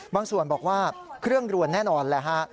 บางส่วนบอกว่าเครื่องรวนแน่นอนแหละฮะ